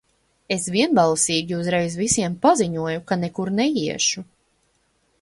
Es vienbalsīgi uzreiz visiem paziņoju, ka nekur neiešu.